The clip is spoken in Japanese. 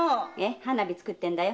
花火作ってるんだよ。